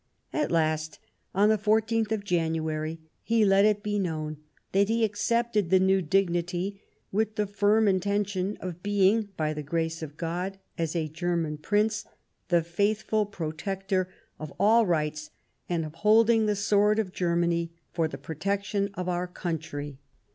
At last, on the 14th of January, he let it be known that he accepted the new dignity, " with the firm intention of being, by the grace of God, as a German Prince, the faithful protector of all rights, and of holding the sword of Germany for the protection of our country."